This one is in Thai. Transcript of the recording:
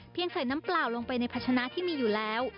ใส่น้ำเปล่าลงไปในพัชนะที่มีอยู่แล้ว